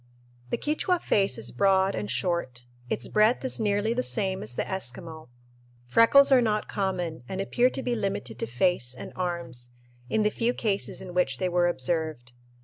The Quichua face is broad and short. Its breadth is nearly the same as the Eskimo. Freckles are not common and appear to be limited to face and arms, in the few cases in which they were observed.